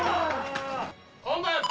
本番！